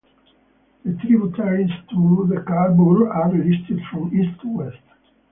The tributaries to the Khabur are listed from east to west.